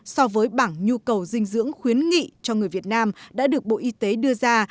so với bảng nhu cầu dinh dưỡng khuyến nghị cho người việt nam đã được bộ y tế đưa ra